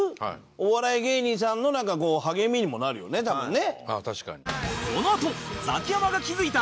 お笑い芸人さんのなんかこう励みにもなるよね多分ね。